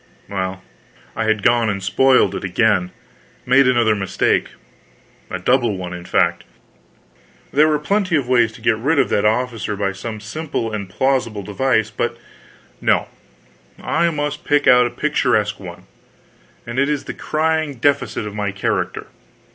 Well, I had gone and spoiled it again, made another mistake. A double one, in fact. There were plenty of ways to get rid of that officer by some simple and plausible device, but no, I must pick out a picturesque one; it is the crying defect of my character.